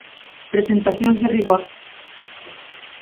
Presentacións de rigor.